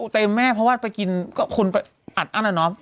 เต็มไหมเพราะว่าไปกินก็อัดอันนั้นนะ